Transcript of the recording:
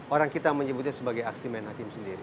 orang kita menyebutnya sebagai aksiman hakim sendiri